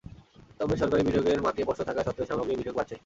তবে সরকারি বিনিয়োগের মান নিয়ে প্রশ্ন থাকা সত্ত্বেও সামগ্রিক বিনিয়োগ বাড়ছে।